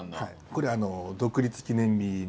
これあの独立記念日に。